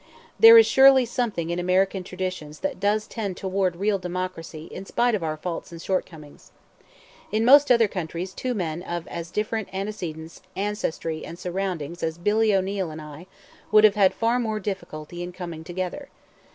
There is surely something in American traditions that does tend toward real democracy in spite of our faults and shortcomings. In most other countries two men of as different antecedents, ancestry, and surroundings as Billy O'Neill and I would have had far more difficulty in coming together.